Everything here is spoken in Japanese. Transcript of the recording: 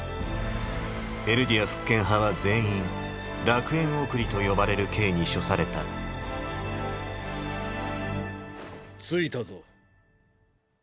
エルディア復権派は全員「楽園送り」と呼ばれる刑に処された着いたぞ。